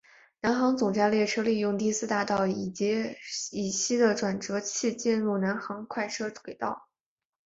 南行总站列车利用第四大道以西的转辙器进入南行快车轨道。